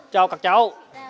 chào các cháu